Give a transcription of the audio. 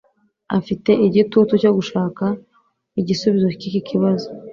afite igitutu cyo gushaka igisubizo cyiki kibazo